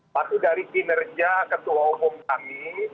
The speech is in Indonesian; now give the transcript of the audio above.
satu dari kinerja ketua umum kami